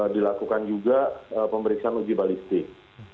dilakukan juga pemeriksaan uji balistik